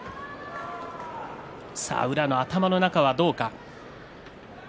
宇良の頭の中はどうか。